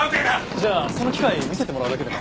じゃあその機械見せてもらうだけでも。